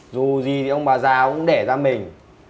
dù gì thì ông bà già cũng để ra mình